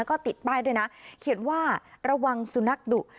แล้วก็ติดป้ายด้วยนะเขียนว่าระวังสุนัขดุ